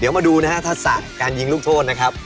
เดี๋ยวมาดูนะฮะทักษะการยิงลูกโทษนะครับ